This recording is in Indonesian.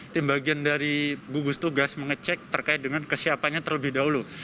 tim bagian dari gugus tugas mengecek terkait dengan kesiapannya terlebih dahulu